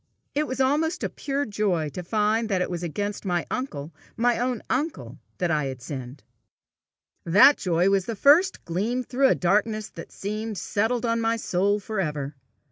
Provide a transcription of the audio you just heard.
It was almost a pure joy to find that it was against my uncle, my own uncle, that I had sinned! That joy was the first gleam through a darkness that had seemed settled on my soul for ever.